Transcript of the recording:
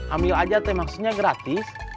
ambil aja teh maksudnya gratis